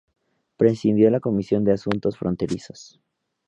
Presidió la Comisión de Asuntos Fronterizos.